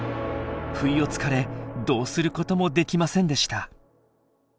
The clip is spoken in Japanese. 不意をつかれどうすることもできませんでした。